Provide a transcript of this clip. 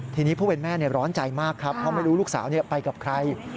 ทีนี้ผู้เป็นแม่ร้อนใจมากครับเพราะไม่รู้ลูกสาวไปกับใคร